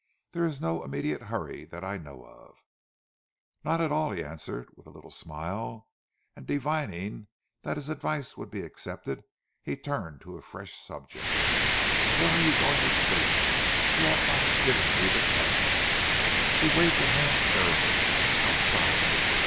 There is no immediate hurry that I know of." "Not at all," he answered with a little smile, and divining that his advice would be accepted he turned to a fresh subject. "Where are you going to sleep? You ought not to have given me the tent." She waved a hand airily. "Outside.